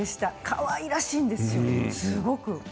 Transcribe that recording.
かわいらしいですよすごく。